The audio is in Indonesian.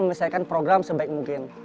memperbaikkan program sebaik mungkin